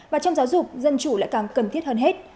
và trong giáo dục dân chủ lại càng cần thiết hơn hết